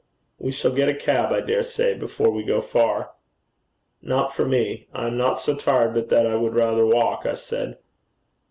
'We shall get a cab, I dare say, before we go far.' 'Not for me. I am not so tired, but that I would rather walk,' I said.